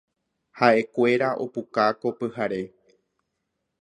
Ha’ekuéra opuka ko pyhare.